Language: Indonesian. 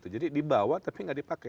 jadi dibawa tapi enggak dipakai